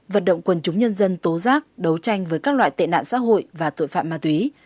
vận động quần chúng nhân dân tố giác đấu tranh với các loại tệ nạn xã hội và tội phạm ma túy